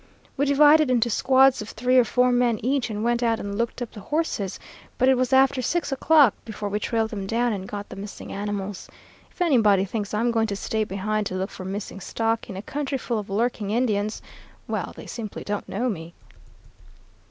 We divided into squads of three or four men each and went out and looked up the horses, but it was after six o'clock before we trailed them down and got the missing animals. If anybody thinks I'm going to stay behind to look for missing stock in a country full of lurking Indians well, they simply don't know me.'